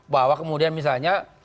bahwa kemudian misalnya